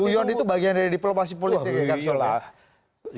guyon itu bagian dari diplomasi politik ya kang soba